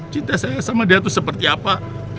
cinta saya sama dia tuh seperti apa